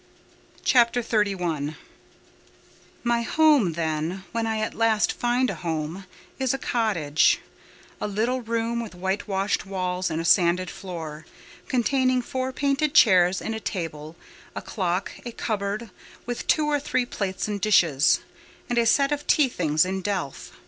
CHAPTER XXXI My home, then, when I at last find a home,—is a cottage; a little room with whitewashed walls and a sanded floor, containing four painted chairs and a table, a clock, a cupboard, with two or three plates and dishes, and a set of tea things in delf.